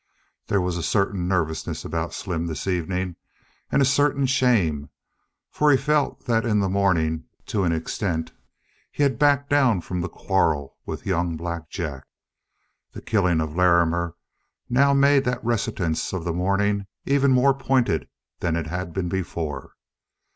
There was a certain nervousness about Slim this evening, and a certain shame. For he felt that in the morning, to an extent, he had backed down from the quarrel with young Black Jack. The killing of Larrimer now made that reticence of the morning even more pointed than it had been before.